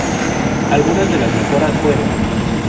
Algunas de las mejoras fueron.